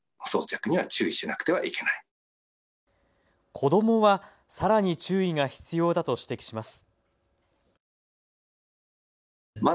子どもは、さらに注意が必要だと指摘します。